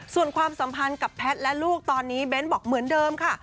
ส่วนความสัมพันธ์กับแพทย์และลูกตอนนี้เบ้นบอกเหมือนเดิมค่ะ